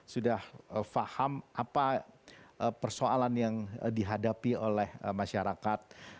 sudah paham apa persoalan yang dihadapi oleh masyarakat